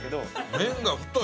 麺が太い。